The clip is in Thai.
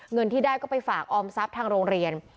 เงินที่ได้ก็ไปฝากออมทรัพย์ทางโรงเรียน